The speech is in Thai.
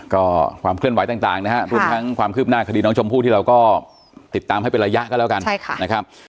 ก็ความเคลื่อนไหวต่างนะครับรวมทั้งความคืบหน้าคดีน้องชมพู่ที่เราก็ติดตามให้เป็นระยะก็แล้วกันนะครับ